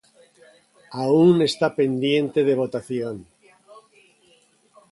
Aún está pendiente de votación.